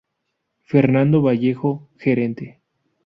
Fernando Vallejo, gerente.